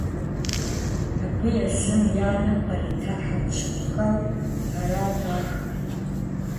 Абы езым и анэм кърита хьэкъущыкъухэу арат ахэр.